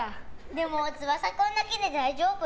でも、つばさくんだけで大丈夫？